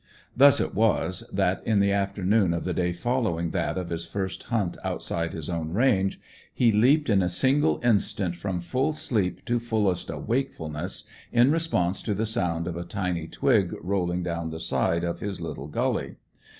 Thus it was that, in the afternoon of the day following that of his first hunt outside his own range, he leaped in a single instant from full sleep to fullest wakefulness in response to the sound of a tiny twig rolling down the side of his little gully.